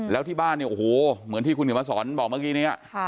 แล้วที่บ้านโอ้โหเหมือนที่คุณมาสอนบอกเมื่อกี้นี้